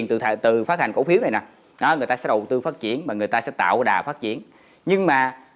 người ta sẽ đầu tư phát triển và người ta sẽ tạo đà phát triển nhưng mà